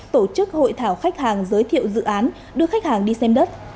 tổ chức hội thảo khách hàng giới thiệu dự án đưa khách hàng đi xem đất